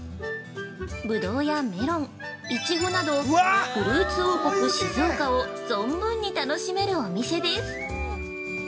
ブドウやメロン、イチゴなど「フルーツ王国静岡」を存分に楽しめるお店です。